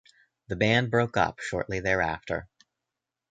The band broke up shortly thereafter.